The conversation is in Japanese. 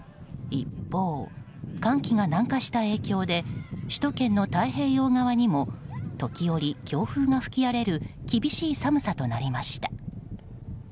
一方、寒気が南下した影響で首都圏の太平洋側にも時折、強風が吹き荒れる厳しい寒さとなりました。